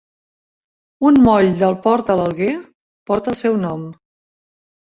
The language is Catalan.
Un moll del port de l'Alguer porta el seu nom.